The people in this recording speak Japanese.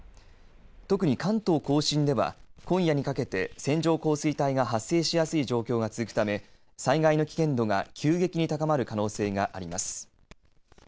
特に関東甲信では今夜にかけて線状降水帯が発生しやすい状況が続くため災害の危険度が急激に高まる可能性があります。